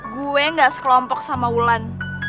gue nggak sekelompok sama ulan